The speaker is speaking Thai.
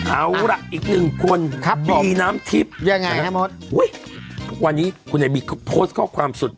เอาล่ะอีกหนึ่งคุณบีน้ำทิพย์นะครับวันนี้คุณใหญ่บีโพสต์ข้อความสุด